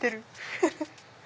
フフフフ。